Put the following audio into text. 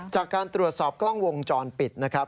จากการตรวจสอบกล้องวงจรปิดนะครับ